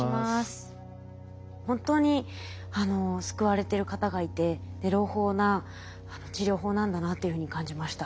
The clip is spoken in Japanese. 本当に救われてる方がいて朗報な治療法なんだなというふうに感じました。